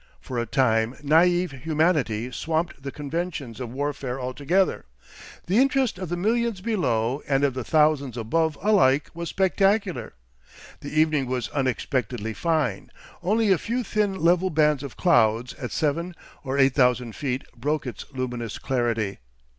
For a time naive humanity swamped the conventions of warfare altogether; the interest of the millions below and of the thousands above alike was spectacular. The evening was unexpectedly fine only a few thin level bands of clouds at seven or eight thousand feet broke its luminous clarity.